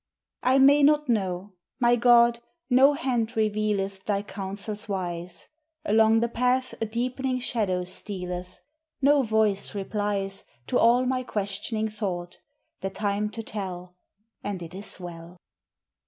365 I may not know; my God, no hand revealeth Thy counsels wise; Along the path a deepening shadow stealeth, No voice replies To all my questioning thought, the time to tell; And it is well.